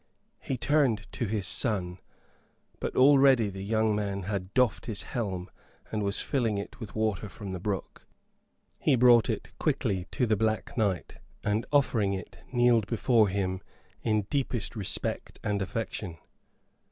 He turned to his son, but already the young man had doffed his helm and was filling it with water from the brook. He brought it quickly to the Black Knight, and, offering it, kneeled before him in deepest respect and affection.